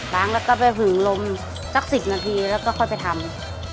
งแล้วก็ไปหึงลมสัก๑๐นาทีแล้วก็ค่อยไปทำ